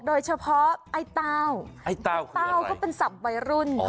โดยเฉพาะไอ้เต้าไอ้เต้าคืออะไรเต้าก็เป็นศัพท์ใบรุ่นอ๋อ